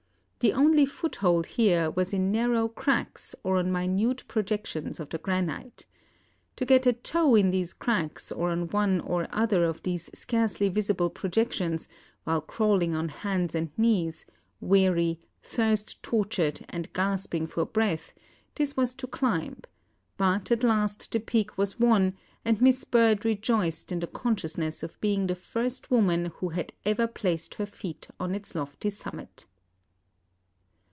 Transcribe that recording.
The only foothold here was in narrow cracks or on minute projections of the granite. To get a toe in these cracks or on one or other of these scarcely visible projections, while crawling on hands and knees, weary, thirst tortured, and gasping for breath, this was to climb; but at last the peak was won, and Miss Bird rejoiced in the consciousness of being the first woman who had ever placed her feet on its lofty summit.